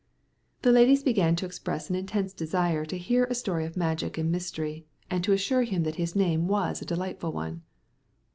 The ladies began to express an intense desire to hear a story of magic and mystery, and to assure him that his name was a delightful one.